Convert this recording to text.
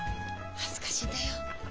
恥ずかしいんだよ。